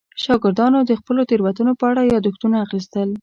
شاګردانو د خپلو تېروتنو په اړه یادښتونه اخیستل.